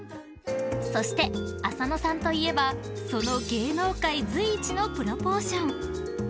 そして、浅野さんといえばその芸能界随一のプロポーション。